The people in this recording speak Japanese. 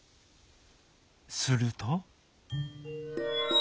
すると。